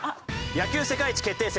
野球世界一決定戦